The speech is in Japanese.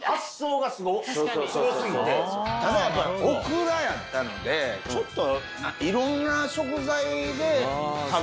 ただやっぱりオクラやったのでちょっと。